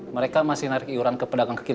mereka masih narik iuran ke pedagang ke k lima